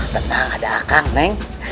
tenang ada akang neng